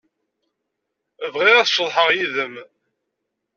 Bɣiɣ ad ceḍḥeɣ yid-m.